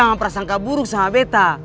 mungkin betta punya muka ini seperti penjahat